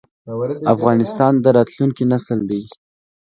افغانستان د راتلونکي نسل دی؟